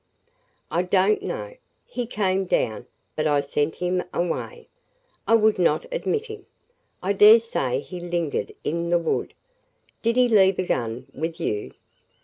"I don't know. He came down, but I sent him away; I would not admit him. I dare say he lingered in the wood." "Did he leave a gun with you?"